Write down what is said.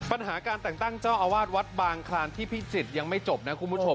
ปัญหาการแต่งตั้งเจ้าอาวาสวัดบางคลานที่พิจิตรยังไม่จบนะคุณผู้ชม